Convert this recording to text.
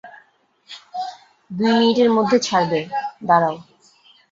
দুই মিনিটের মধ্যে ছাড়বে, দাঁড়াও।